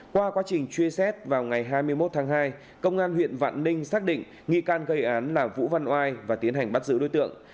qua quá trình truy xét vào ngày hai mươi một tháng hai công an huyện vạn ninh xác định nghi can gây án là vũ văn oai và tiến hành bắt giữ đối tượng